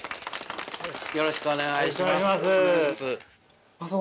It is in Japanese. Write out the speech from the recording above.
よろしくお願いします。